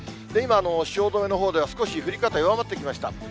今、汐留のほうでは、少し降り方弱まってきました。